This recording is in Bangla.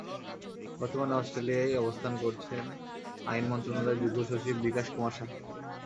বর্তমানে অস্ট্রেলিয়ায় অবস্থান করছেন আইন মন্ত্রণালয়ের যুগ্ম সচিব বিকাশ কুমার সাহা।